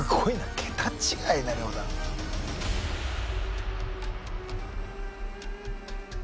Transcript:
桁違いな量だな。